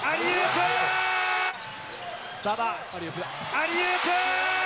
アリウープ！